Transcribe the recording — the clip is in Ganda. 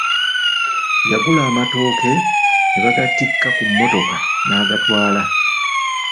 Yagula amatooke nebagattika ku mmotoka n'agatwala.